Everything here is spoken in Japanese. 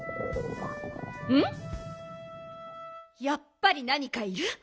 やっぱりなにかいる？